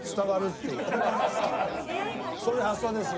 そういう発想ですよね